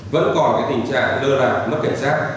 vẫn còn cái tình trạng lơ là mất cảnh sát